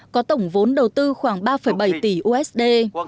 có tổng vốn đầu tư khoảng ba bảy tỷ usd